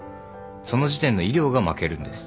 その時点の医療が負けるんです。